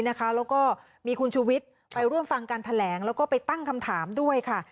แล้วก็มีคุณชูวิทย์ไปร่วมฟังการแถลงแล้วก็ไปตั้งคำถามด้วยค่ะ